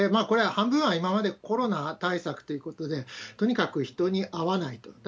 これ、半分は今までコロナ対策ということで、とにかく人に会わないと。